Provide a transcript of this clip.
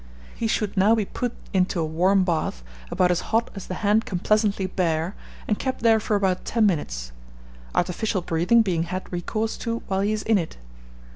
He should now be put into a warm bath, about as hot as the hand can pleasantly bear, and kept there for about ten minutes, artificial breathing being had recourse to while he is in it.